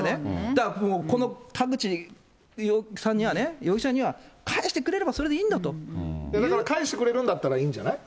だから、この田口さんにはね、容疑者には、返してくれればそれでいいんだと。返してくれるんだったらいいんじゃない？